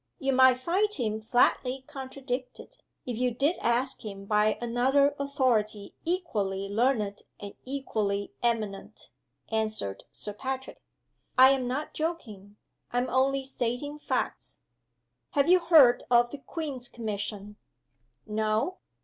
_" "You might find him flatly contradicted, if you did ask him by another authority equally learned and equally eminent," answered Sir Patrick. "I am not joking I am only stating facts. Have you heard of the Queen's Commission?" "No."